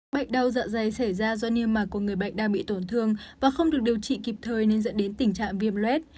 bệnh đau dạ dày xảy ra do niêm mạc của người bệnh đang bị tổn thương và không được điều trị kịp thời nên dẫn đến tình trạng viêm blate